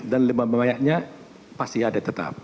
dan lebar mayatnya pasti ada tetap